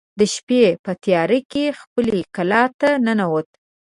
د شپې په تیاره کې خپلې کلا ته ننوت.